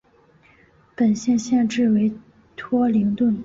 本县县治为托灵顿。